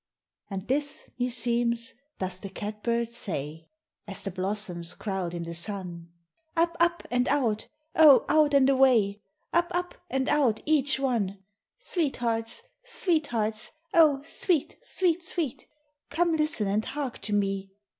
IV And this, meseems, does the cat bird say, As the blossoms crowd i' the sun: "Up, up! and out! oh, out and away! Up, up! and out, each one! Sweethearts! sweethearts! oh, sweet, sweet, sweet! Come listen and hark to me!